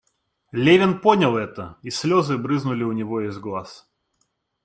Левин понял это, и слезы брызнули у него из глаз.